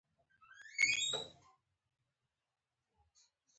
د کرنې د وسایلو ساتنه د تولید د ښه والي لپاره ضروري ده.